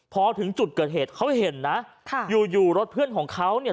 พอถึงจุดเกิดเหตุเขาเห็นนะค่ะอยู่อยู่รถเพื่อนของเขาเนี่ย